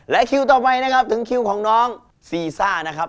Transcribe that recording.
คิวต่อไปนะครับถึงคิวของน้องซีซ่านะครับ